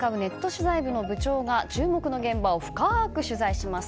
取材部の部長が注目の現場を深く取材します。